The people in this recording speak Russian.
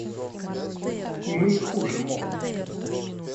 И мы не хуже, мол!